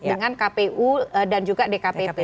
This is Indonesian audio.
dengan kpu dan juga dkpp